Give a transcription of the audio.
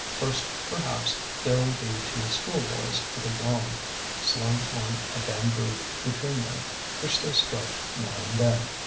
First, perhaps, there will be two schoolboys with a gong slung on a bamboo between them, which they strike now and then.